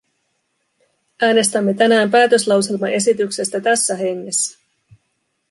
Äänestämme tänään päätöslauselmaesityksestä tässä hengessä.